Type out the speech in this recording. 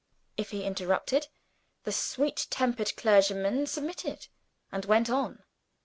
If he interrupted the sweet tempered clergyman submitted, and went on.